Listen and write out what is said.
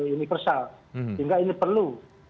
universal sehingga ini perlu